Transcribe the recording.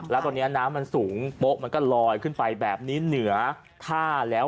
แล้วตอนนี้น้ำมันสูงโป๊ะมันก็ลอยขึ้นไปแบบนี้เหนือท่าแล้ว